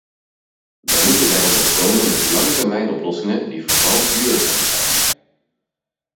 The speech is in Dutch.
Wij moeten daarom ook komen met langetermijnoplossingen, die vooral duurzaam zijn.